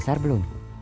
udah asar belum